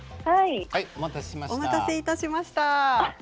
お待たせいたしました。